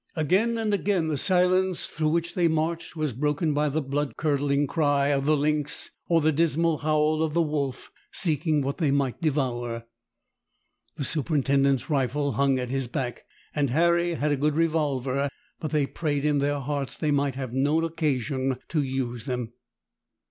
Again and again the silence through which they marched was broken by the blood curdling cry of the lynx or the dismal howl of the wolf, seeking what they might devour. The superintendent's rifle hung at his back, and Harry had a good revolver; but they prayed in their hearts that they might have no occasion to use them.